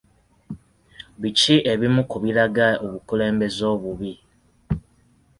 Biki ebimu ku biraga obukulembeze obubi?